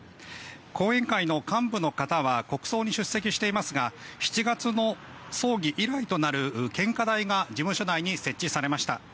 後援会の幹部の方は国葬に出席していますが７月の葬儀以来となる献花台が事務所内に設置されました。